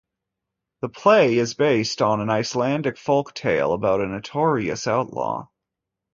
The play is based on an Icelandic folk tale about a notorious outlaw.